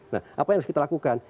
nah apa yang harus kita lakukan